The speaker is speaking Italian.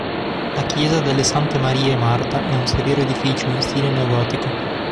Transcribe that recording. La chiesa delle Sante Maria e Marta è un severo edificio in stile neogotico.